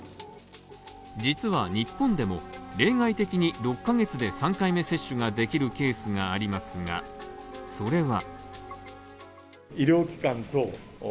実は日本でも例外的に６ヶ月で３回目接種ができるケースがありますが、それは。